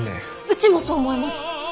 うちもそう思います！